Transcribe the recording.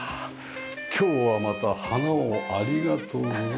今日はまた花をありがとうございます。